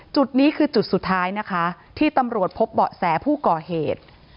จุดนี้คือจุดสุดท้ายนะคะที่ตำรวจพบเบาะแสผู้ก่อเหตุ